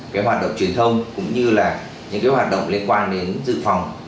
cái hoạt động truyền thông cũng như là những cái hoạt động liên quan đến dự phòng